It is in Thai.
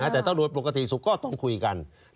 แต่ถ้ารวยปกติสุขก็ต้องคุยกัน